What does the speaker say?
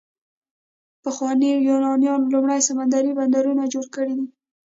پخوانیو یونانیانو لومړني سمندري بندرونه جوړ کړي دي.